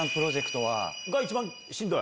一番しんどい？